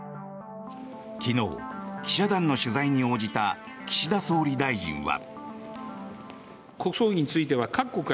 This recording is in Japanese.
昨日、記者団の取材に応じた岸田総理大臣は。